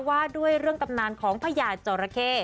ว่าด้วยเรื่องตำนานของพญาจอราเข้